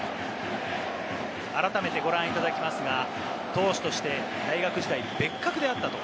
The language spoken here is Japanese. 改めてご覧いただきますが、投手として大学時代、別格であったと。